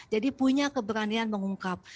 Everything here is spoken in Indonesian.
jadi punya keberanian mengungkap